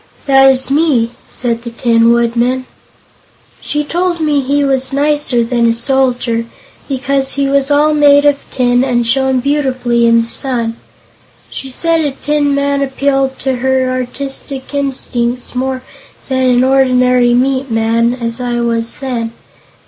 "That is me," said the Tin Woodman. "She told me he was nicer than a soldier, because he was all made of tin and shone beautifully in the sun. She said a tin man appealed to her artistic instincts more than an ordinary meat man, as I was then.